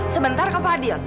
sebentar ke fadil